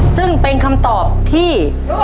ซึ่งเป็นคำตอบที่